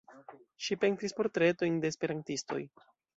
Ŝi pentris portretojn de esperantistoj.